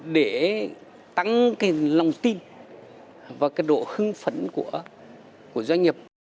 để tăng cái lòng tin và cái độ hưng phấn của doanh nghiệp